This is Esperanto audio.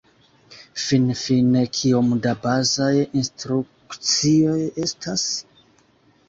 Finfine, kiom da bazaj instrukcioj estas?